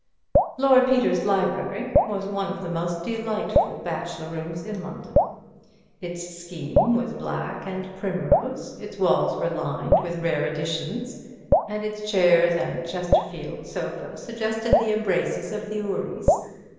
Lord Peter's library was one of the most delightful bachelor rooms in London. Its scheme was black and primrose; its walls were lined with rare editions, and its chairs and Chesterfield sofa suggested the embraces of the houris.